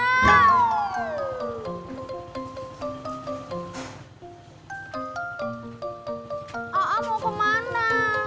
a'a mau kemana